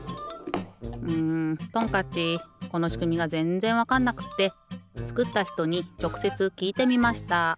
んトンカッチこのしくみがぜんぜんわかんなくってつくったひとにちょくせつきいてみました。